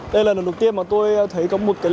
đây là lần đầu tiên mà tôi thấy công ty thu về hà nội